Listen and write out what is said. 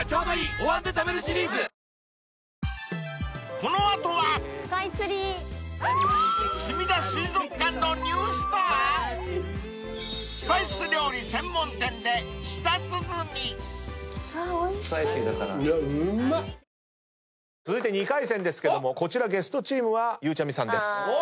「お椀で食べるシリーズ」続いて２回戦ですけどもこちらゲストチームはゆうちゃみさんです。